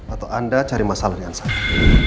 atau anda cari masalah dengan saya